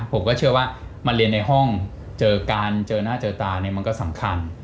ผมก็เชื่อว่ามาเรียนในห้องเจอกันเจอหน้าเจอตาเนี่ยมันก็สำคัญ